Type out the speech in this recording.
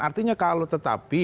artinya kalau tetapi